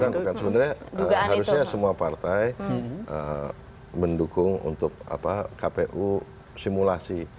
bukan sebenarnya harusnya semua partai mendukung untuk kpu simulasi